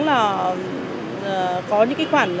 là có những cái khoản